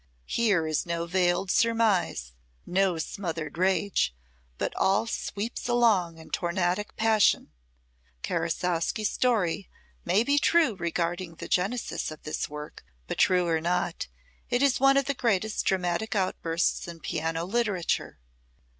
Here is no veiled surmise, no smothered rage, but all sweeps along in tornadic passion. Karasowski's story may be true regarding the genesis of this work, but true or not, it is one of the greatest dramatic outbursts in piano literature.